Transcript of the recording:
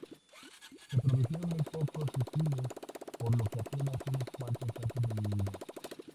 Se produjeron muy pocos fusiles, por lo que apenas unos cuantos han sobrevivido.